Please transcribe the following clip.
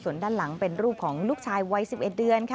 ส่วนด้านหลังเป็นรูปของลูกชายวัย๑๑เดือนค่ะ